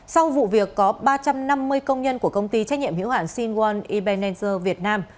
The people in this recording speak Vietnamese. sau vụ việc có ba trăm năm mươi công nhân của công ty trách nhiệm hiểu hạn sinwon ebenezer việt nam